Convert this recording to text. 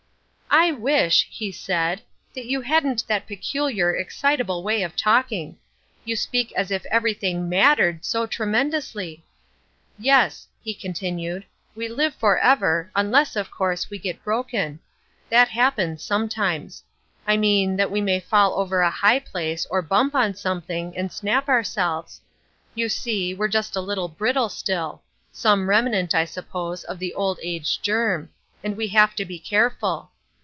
"I wish," he said, "that you hadn't that peculiar, excitable way of talking; you speak as if everything mattered so tremendously. Yes," he continued, "we live for ever, unless, of course, we get broken. That happens sometimes. I mean that we may fall over a high place or bump on something, and snap ourselves. You see, we're just a little brittle still—some remnant, I suppose, of the Old Age germ—and we have to be careful.